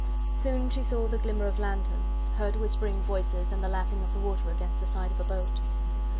Soon she saw the glimmer of lanthorns, heard whispering voices, and the lapping of the water against the side of a boat.